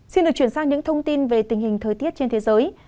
xin được chuyển sang những thông tin về tình hình thời tiết trên thế giới